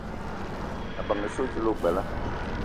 Ebeng essoe dila ogbela